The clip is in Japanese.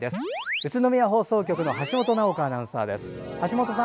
宇都宮放送局の橋本奈穂子アナウンサーです。